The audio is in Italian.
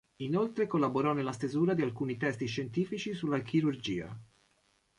Inoltre collaborò nella stesura di alcuni testi scientifici sulla chirurgia.